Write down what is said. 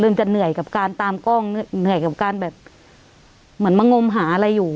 จะเหนื่อยกับการตามกล้องเหนื่อยกับการแบบเหมือนมางมหาอะไรอยู่